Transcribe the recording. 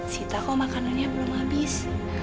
sita kok makanannya belum habis